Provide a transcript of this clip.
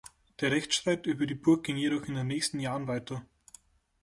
Der Rechtsstreit über die Burg ging jedoch in den nächsten Jahren weiter.